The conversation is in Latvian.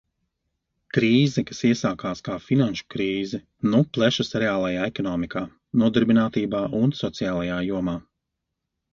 Krīze, kas iesākās kā finanšu krīze, nu plešas reālajā ekonomikā, nodarbinātībā un sociālajā jomā.